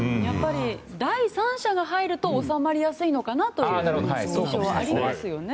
第三者が入ると収まりやすいのかという印象がありますよね。